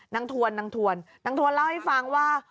นางธวนเล่าให้ฟังว่า